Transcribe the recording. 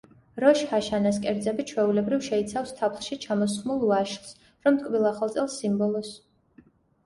როშ ჰაშანას კერძები ჩვეულებრივ შეიცავს თაფლში ჩამოსხმულ ვაშლს, რომ ტკბილ ახალ წელს სიმბოლოს.